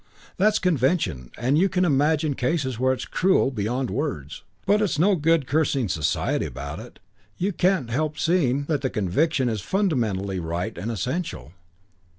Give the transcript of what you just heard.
That's convention and you can imagine cases where it's cruel beyond words. But it's no good cursing society about it. You can't help seeing that the convention is fundamentally right and essential.